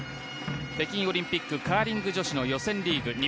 北京オリンピックカーリング女子の予選リーグ